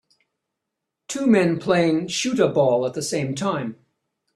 Two men playing shoot a ball at the same time